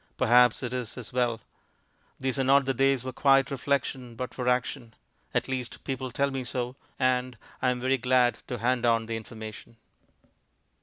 Perhaps it is as well. These are not the days for quiet reflection, but for action. At least, people tell me so, and I am very glad to hand on the information.